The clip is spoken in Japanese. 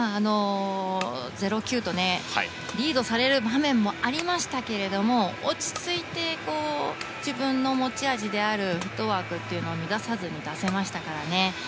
０−９とリードされる場面もありましたけれども落ち着いて、自分の持ち味であるフットワークを乱さずに出せましたからね。